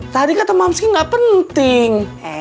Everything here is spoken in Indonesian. tadi kata mamski nggak penting